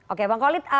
oke bang kolit